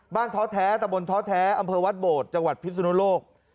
ท้อแท้ตะบนท้อแท้อำเภอวัดโบดจังหวัดพิศนุโลก